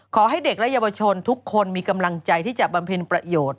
ขอให้เด็กและเยาวชนทุกคนมีกำลังใจที่จะบำเพ็ญประโยชน์